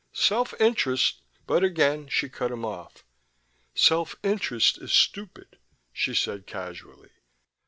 "Self interest " But again she cut him off. "Self interest is stupid," she said casually.